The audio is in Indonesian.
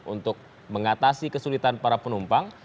untuk mengatasi kesulitan para penumpang